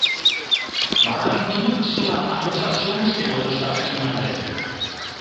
Варажым туныктышылан Алёша Сёмушкин ойлышташ тӱҥале.